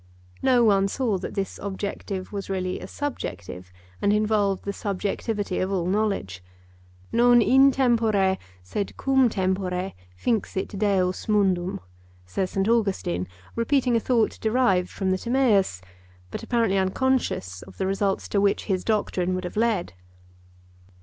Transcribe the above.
No one saw that this objective was really a subjective, and involved the subjectivity of all knowledge. 'Non in tempore sed cum tempore finxit Deus mundum,' says St. Augustine, repeating a thought derived from the Timaeus, but apparently unconscious of the results to which his doctrine would have led.